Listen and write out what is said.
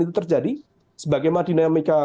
itu terjadi sebagaimana dinamika